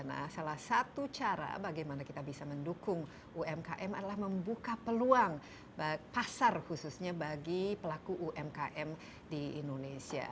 nah salah satu cara bagaimana kita bisa mendukung umkm adalah membuka peluang pasar khususnya bagi pelaku umkm di indonesia